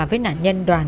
với nạn nhân đoàn